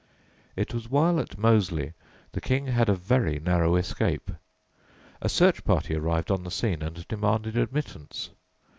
It was while at Moseley the King had a very narrow escape. A search party arrived on the scene and demanded admittance.